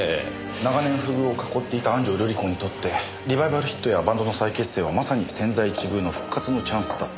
長年不遇を託っていた安城瑠里子にとってリバイバルヒットやバンドの再結成はまさに千載一遇の復活のチャンスだった。